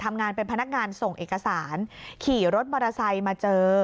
ทำงานเป็นพนักงานส่งเอกสารขี่รถมอเตอร์ไซค์มาเจอ